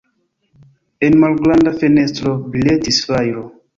En malgranda fenestro briletis fajro.